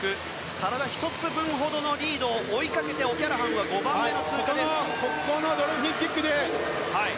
体１つ分ほどのリードを追いかけてオキャラハンは５番目の通過。